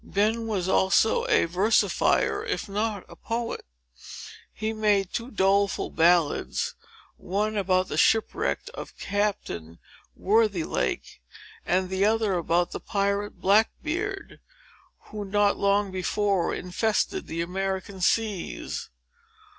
Ben was also a versifier, if not a poet. He made two doleful ballads; one about the shipwreck of Captain Worthilake, and the other about the pirate Black Beard, who not long before, infested the American seas.